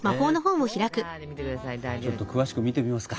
ちょっと詳しく見てみますか。